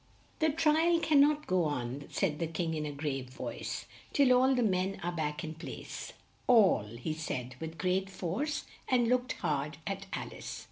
"The tri al can not go on," said the King in a grave voice, "till all the men are back in place all," he said with great force and looked hard at Al ice.